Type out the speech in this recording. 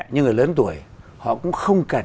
những người lớn tuổi họ cũng không cần